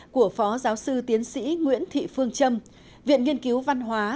của phó giáo sư tiến sĩ nguyễn thị phương trâm viện nghiên cứu văn hóa